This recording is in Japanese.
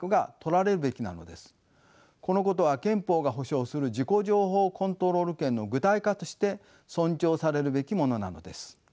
このことは憲法が保障する自己情報コントロール権の具体化として尊重されるべきものなのです。